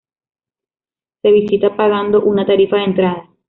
Se visita pagando una tarifa de entrada.